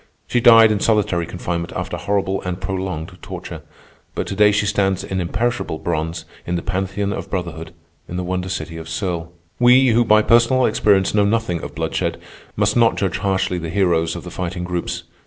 She died in solitary confinement after horrible and prolonged torture; but to day she stands in imperishable bronze in the Pantheon of Brotherhood in the wonder city of Serles. We, who by personal experience know nothing of bloodshed, must not judge harshly the heroes of the Fighting Groups.